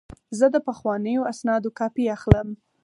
زه د پخوانیو اسنادو کاپي اخلم.